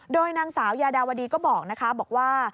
โดยนางสาวยาดาวดีก็บอกนะคะบอกว่า